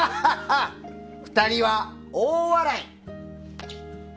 ２人は大笑い。